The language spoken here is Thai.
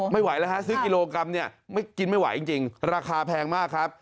ไม่ไหวแล้วฮะซื้อกิโลกรัมเนี่ยไม่กินไม่ไหวจริงราคาแพงมากครับ